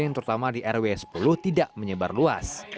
terutama di rw sepuluh tidak menyebar luas